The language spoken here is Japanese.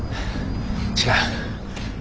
違う。